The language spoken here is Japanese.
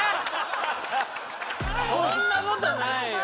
そんなことないよ